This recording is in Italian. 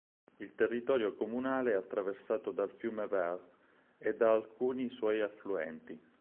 Il territorio comunale è attraversato dal fiume Vert e da alcuni suoi affluenti.